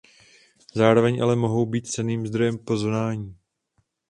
Zároveň ale mohou být cenným zdrojem poznání.